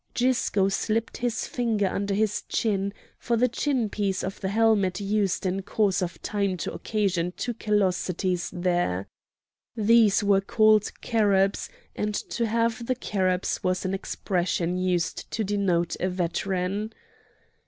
Gisco slipped his fingers under his chin, for the chin piece of the helmet used in course of time to occasion two callosities there; these were called carobs, and "to have the carobs" was an expression used to denote a veteran.